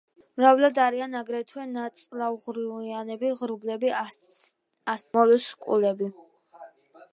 მრავლად არიან აგრეთვე ნაწლავღრუიანები, ღრუბლები, ასციდიები, მოლუსკები.